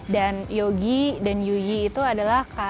dan yogi dan yuyi itu adalah